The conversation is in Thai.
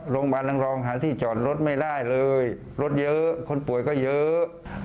นางรองหาที่จอดรถไม่ได้เลยรถเยอะคนป่วยก็เยอะ